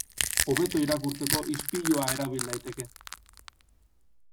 Hobeto irakurtzeko ispilua erabil daiteke.